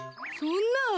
そんな！